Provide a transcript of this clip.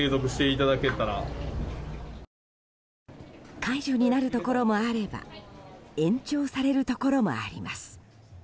解除になるところもあれば延長されるところもあります。